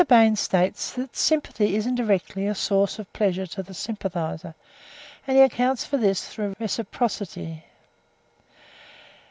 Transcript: Bain states, that, "sympathy is, indirectly, a source of pleasure to the sympathiser"; and he accounts for this through reciprocity.